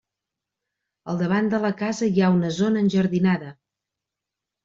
Al davant de la casa hi ha una zona enjardinada.